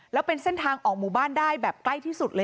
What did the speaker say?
แล้วเป็นเส้นทางออกหมู่บ้านได้แบบใกล้ที่สุดเลย